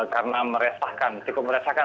karena meresahkan cukup meresahkan